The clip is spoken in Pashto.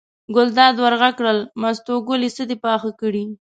ګلداد ور غږ کړل: مستو ګلې څه دې پاخه کړي.